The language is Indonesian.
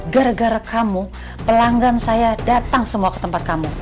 gara gara kamu pelanggan saya datang semua ke tempat kamu